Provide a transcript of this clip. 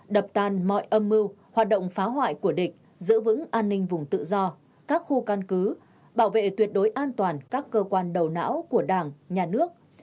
đập tan mọi âm mưu hoạt động phá hoại của địch giữ vững an ninh vùng tự do các khu căn cứ bảo vệ tuyệt đối an toàn các cơ quan đầu não của đảng nhà nước